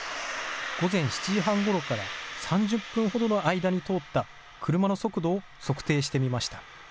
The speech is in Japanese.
午前７時半ごろから３０分ほどの間に通った車の速度を測定してみました。